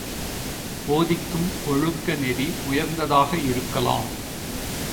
போதிக்கும் ஒழுக்க நெறி உயர்ந்ததாக இருக்கலாம்.